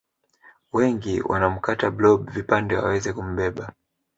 Wengi wanamkata blob vipande waweze kumbeba